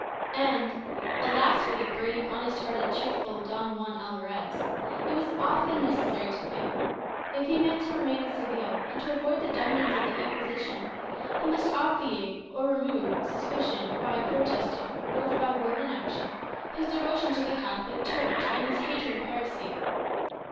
And alas for the brave, honest hearted, truthful Don Juan Alvarez! it was often necessary to feign. If he meant to remain in Seville, and to avoid the dungeons of the Inquisition, he must obviate or remove suspicion by protesting, both by word and action, his devotion to the Catholic Church, and his hatred of heresy.